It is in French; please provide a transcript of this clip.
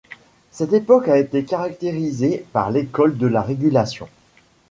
Cette époque a été caractérisée par l'école de la régulation.